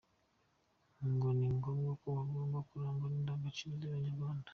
Ngo ni ngombwa ko bagomba kurangwa n’indangagacira z’Abanyarwanda.